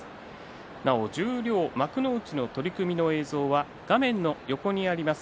なお十両、幕内の取組の映像は画面の横にあります